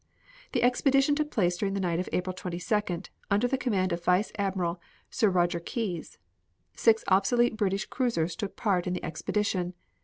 The expedition took place during the night of April 22d, under the command of Vice Admiral Sir Roger Keyes. Six obsolete British cruisers took part in the expedition.